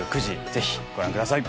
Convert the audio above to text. ぜひご覧ください。